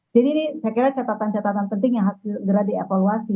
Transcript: jadi ini saya kira catatan catatan penting yang harus digerak di evaluasi